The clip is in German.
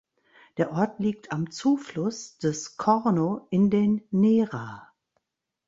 Der Ort liegt am Zufluss des "Corno" in den Nera.